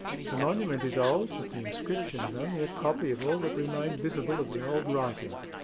The monument is old; but the inscription is only a copy of all that remained visible of the old writing.